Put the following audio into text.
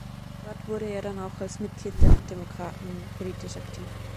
Dort wurde er dann auch als Mitglied der Demokraten politisch aktiv.